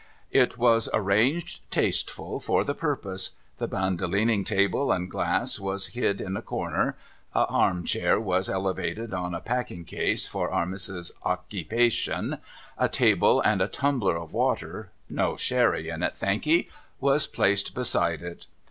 It was arranged tasteful for the purpose. The Bandolining table and glass was hid in a corner, a arm chair was elevated on a packing case for Our Missis's ockypation, a table and a tumbler of water (no sherry in it, thankee) was placed beside it.